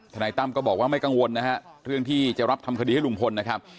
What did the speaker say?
นายตั้มก็บอกว่าไม่กังวลนะฮะเรื่องที่จะรับทำคดีให้ลุงพลนะครับ